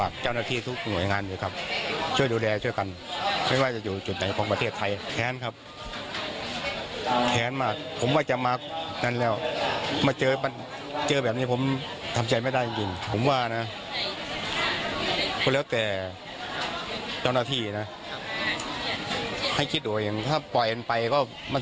ก็จะไปทำร้ายใครอีก